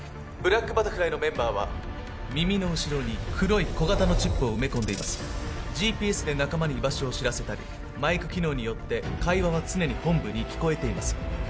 ブラックバタフライのメンバーは耳の後ろに黒い小型のチップを埋め込んでいますＧＰＳで仲間に居場所を知らせたりマイク機能によって会話は常に本部に聞こえています